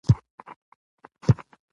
زده کړه نجونو ته د خوشحالۍ لارې ښيي.